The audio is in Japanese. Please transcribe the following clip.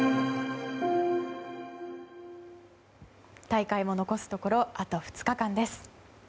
大会も残すところあと２日間です。